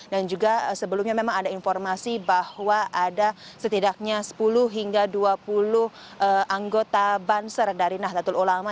dan juga sebelumnya memang ada informasi bahwa ada setidaknya sepuluh hingga dua puluh anggota banser dari nahdlatul ulama